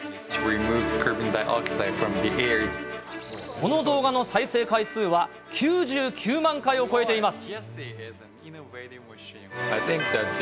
この動画の再生回数は、９９万回を超えています。